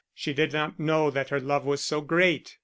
She did not know that her love was so great.